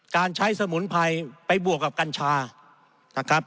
การใช้สมุนไพรไปบวกกับกัญชา